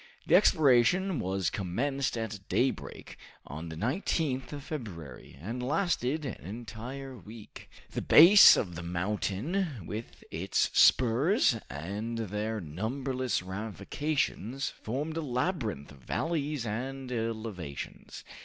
The exploration was commenced at daybreak on the 19th of February, and lasted an entire week. The base of the mountain, with its spurs and their numberless ramifications, formed a labyrinth of valleys and elevations.